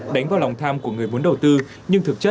đánh vào lòng tham của người muốn đầu tư